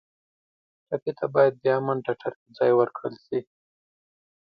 ټپي ته باید د امن ټټر کې ځای ورکړل شي.